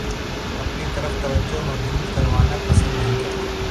اپنی طرف توجہ مبذول کروانا پسند نہیں کرتا